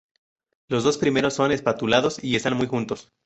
Los dos primeros son espatulados y están muy juntos.